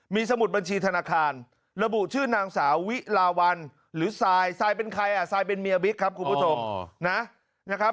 มีสมุดบัญชีธนาคารระบุชื่อนางสาววิลาวันหรือซายทรายเป็นใครอ่ะซายเป็นเมียบิ๊กครับคุณผู้ชมนะครับ